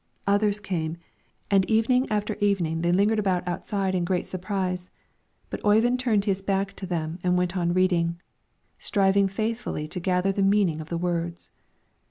Others came, and evening after evening they lingered about outside, in great surprise; but Oyvind turned his back to them and went on reading, striving faithfully to gather the meaning of the words.